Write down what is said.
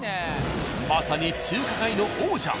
まさに中華界の王者。